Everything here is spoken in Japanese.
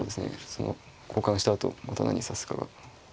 その交換したあとまた何指すかが難しいですね。